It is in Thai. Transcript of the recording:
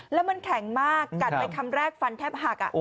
แล้วมันแข็งมากกัดไปคำแรกฟันแทบหัก